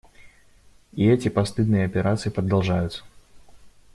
И эти постыдные операции продолжаются.